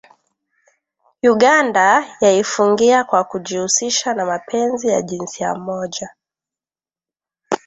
Uganda yaifungia kwa kujihusisha na mapenzi ya jinsia moja